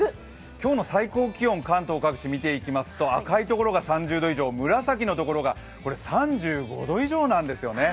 今日の最高気温、関東各地、見ていきますと赤いところが３０度以上、紫のところが３５度以上なんですよね。